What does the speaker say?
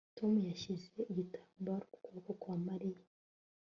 Tom yashyize igitambaro ku kuboko kwa Mariya